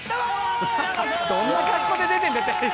どんな格好で出てるんだテレビ。